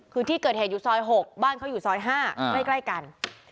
คือที่เกิดเหตุอยู่ซอย๖บ้านเขาอยู่ซอย๕ใกล้กัน